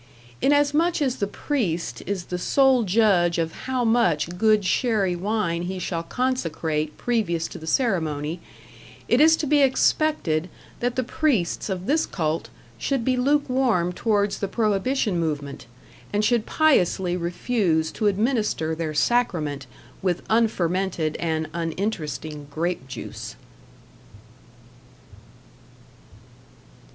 In as much as the priest is the sole judge of how much good sherry wine he shall consecrate previous to the ceremony, it is to be expected that the priests of this cult should be lukewarm towards the prohibition movement, and should piously refuse to administer their sacrament with unfermented and uninteresting grape juice.